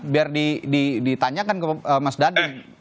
biar ditanyakan ke mas dhani